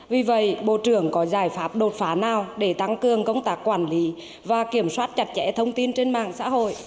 vì vậy bộ trưởng có giải pháp đột phá nào để tăng cường công tác quản lý và kiểm soát chặt chẽ thông tin trên mạng xã hội